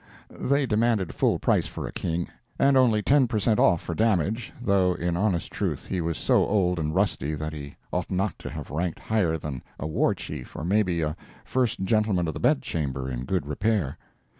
They demanded full price for a King, and only ten per cent off for damage (though in honest truth he was so old and rusty that he ought not to have ranked higher than a war chief, or maybe a First Gentleman of the Bedchamber, in good repair).